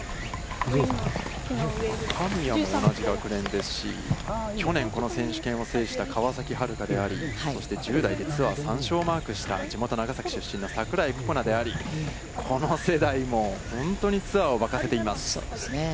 神谷も同じ学年ですし、去年この選手権を制した川崎春花であり、１０代でツアー３勝をマークした、地元、長崎出身の櫻井心那であり、この世代も、本当にツアーを沸かせています。